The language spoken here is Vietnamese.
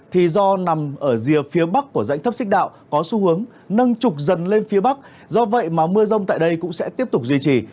thì do nằm ở rìa phía bắc của dãy thấp xích đạo có xu hướng nâng trục dần lên phía bắc do vậy mà mưa rông tại đây cũng sẽ tiếp tục duy trì